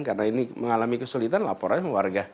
karena ini mengalami kesulitan lapor saja sama warga